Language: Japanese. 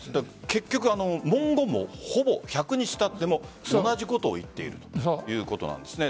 結局、文言もほぼ１００日たっても同じことを言っているということなんですね。